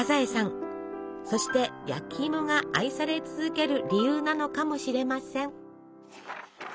そして焼きいもが愛され続ける理由なのかもしれません。